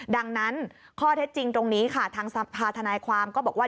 ดังนั้นข้อเท็จจริงตรงนี้ค่ะทางสภาธนายความก็บอกว่า